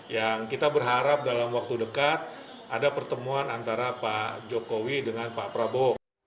yang kita berharap dalam waktu dekat ada pertemuan antara pak jokowi dengan pak prabowo